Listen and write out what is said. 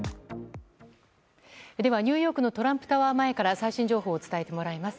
ではニューヨークのトランプタワー前から最新情報を伝えてもらいます。